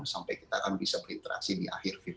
sampai kita akan bisa berinteraksi di akhir